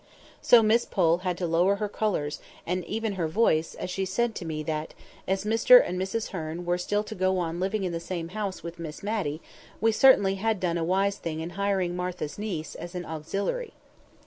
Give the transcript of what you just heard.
So Miss Pole had to lower her colours, and even her voice, as she said to me that, as Mr and Mrs Hearn were still to go on living in the same house with Miss Matty, we had certainly done a wise thing in hiring Martha's niece as an auxiliary.